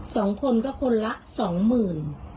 สองคนก็คนละสองหมื่น